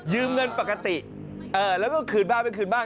เงินปกติแล้วก็คืนบ้างไม่คืนบ้าน